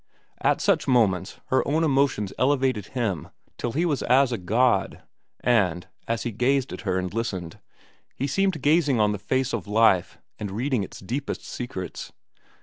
At such moments her own emotions elevated him till he was as a god, and, as he gazed at her and listened, he seemed gazing on the face of life and reading its deepest secrets.